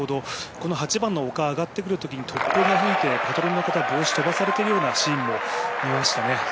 この８番の丘を上がってくるときに突風が吹いてパトロンの方、帽子が飛ばされているようなシーンも見ましたね。